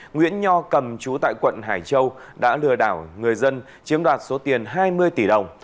nguyễn nho cầm chú tại quận hải châu đã lừa đảo người dân chiếm đoạt số tiền hai mươi tỷ đồng